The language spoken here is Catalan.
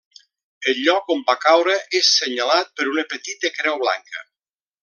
El lloc on va caure és senyalat per una petita creu blanca.